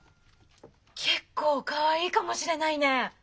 結構かわいいかもしれないねえ。